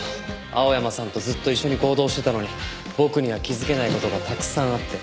青山さんとずっと一緒に行動してたのに僕には気づけない事がたくさんあって。